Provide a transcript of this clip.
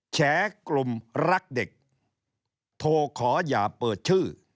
แฉกลุ่มรักเด็กโทรขออย่าเปิดชื่อ